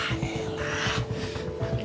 iya enggak masalah